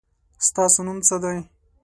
ستاسو نوم څه دی؟